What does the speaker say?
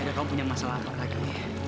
udah kamu punya masalah apa lagi